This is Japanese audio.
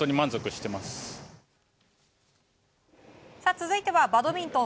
続いてはバドミントン。